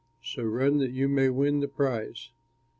So run that you may win the prize.